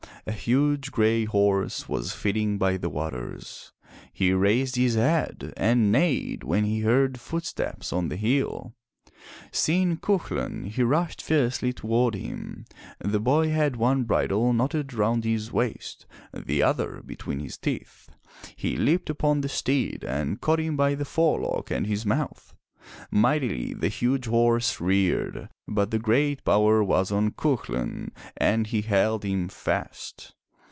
A huge gray horse was feeding by the waters. He raised his head and neighed when he heard footsteps on the hill. Seeing Cuchulain, he rushed fiercely toward him. The boy had one bridle knotted round his waist, the other between his teeth. He leaped upon the steed and caught him by the forelock and his mouth. Mightily the huge horse reared, but great power was on Cuchulain and he held him fast.